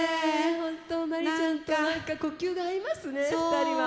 本当マリちゃんと何か呼吸が合いますねふたりは。